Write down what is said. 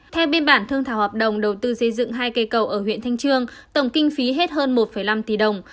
theo biên bản thương thảo hợp đồng đầu tư xây dựng hai cây cầu ở huyện thanh trương tổng kinh phí hết hơn một năm tỷ đồng